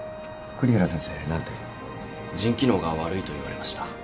栗原先生何て？腎機能が悪いと言われました。